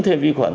thêm vi khuẩn